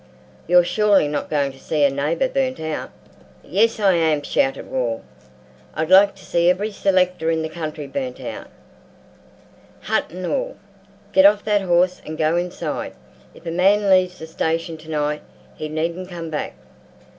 You're surely not going to see a neighbour burnt out." "Yes, I am," shouted Wall. "I'd like to see every selector in the country burnt out, hut and all! Get off that horse and go inside. If a man leaves the station to night he needn't come back."